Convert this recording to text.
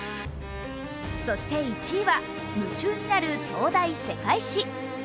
そして、１位は「夢中になる東大世界史」。